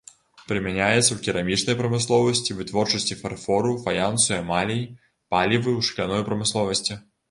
Прымяняецца ў керамічнай прамысловасці, вытворчасці фарфору, фаянсу, эмалей, палівы, у шкляной прамысловасці.